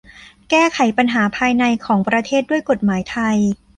แก้ไขปัญหาภายในของประเทศด้วยกฎหมายไทย